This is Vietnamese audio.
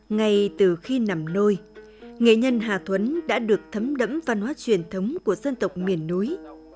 ngay từ khi nằm lôi nghệ nhân hà thuấn đã được thấm đẫm văn hóa truyền thống của dân tộc miền núi